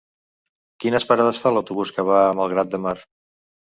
Quines parades fa l'autobús que va a Malgrat de Mar?